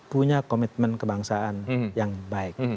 punya komitmen kebangsaan yang baik